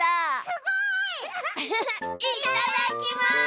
すごい！いっただっきます！